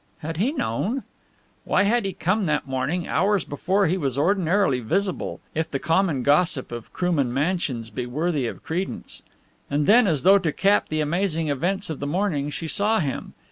Had he known? Why had he come that morning, hours before he was ordinarily visible if the common gossip of Krooman Mansions be worthy of credence? and then as though to cap the amazing events of the morning she saw him.